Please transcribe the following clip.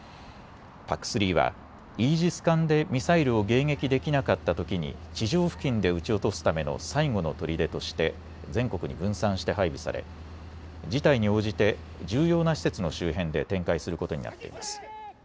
ＰＡＣ３はイージス艦でミサイルを迎撃できなかったときに地上付近で撃ち落とすための最後のとりでとして全国に分散して配備され事態に応じて重要な施設の周辺で展開することになっています。